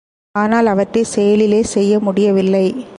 ஆனால் அவற்றைச் செயலிலே செய்ய முடியவில்லை.